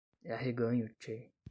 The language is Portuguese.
É arreganho, tchê